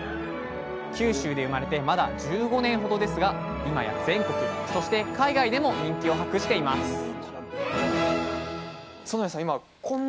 九州で生まれてまだ１５年ほどですが今や全国そして海外でも人気を博しています園屋さん